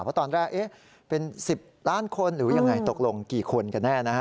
เพราะตอนแรกเป็น๑๐ล้านคนหรือยังไงตกลงกี่คนกันแน่นะฮะ